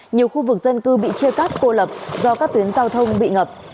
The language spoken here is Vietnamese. nhiều khu vực dân cư bị chia cắt cô lập do các tuyến giao thông bị ngập